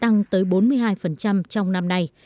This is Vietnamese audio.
tăng tới bốn mươi hai trong năm nay